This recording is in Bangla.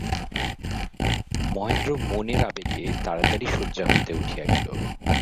মহেন্দ্র মনের আবেগে তাড়াতাড়ি শয্যা হইতে উঠিয়া গেল।